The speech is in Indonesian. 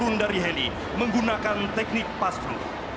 para prajurit tni telah menemukan para prajurit tentara nasional indonesia